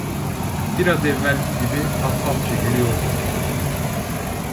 Biraz evvelki gibi ahbapça gülüyordu.